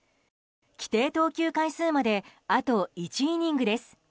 規定投球回数まであと１イニングです。